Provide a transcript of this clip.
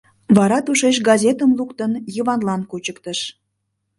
Вара тушеч газетым луктын, Йыванлан кучыктыш.